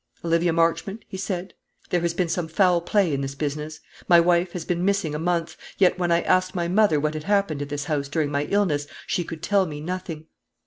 "Olivia Marchmont," he said, "there has been some foul play in this business. My wife has been missing a month; yet when I asked my mother what had happened at this house during my illness, she could tell me nothing.